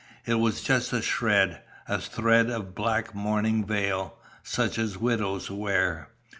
It was just a shred, a thread of a black mourning veil, such as widows wear.